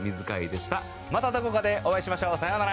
またどこかでお会いしましょう！さようなら！